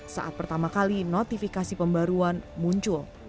saat pertama kali notifikasi pembaruan muncul